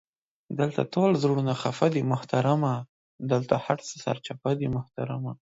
دالته ټول زړونه خفه دې محترمه، دالته هر څه سرچپه دي محترمه!